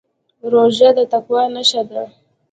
روژه د تقوا نښه ده.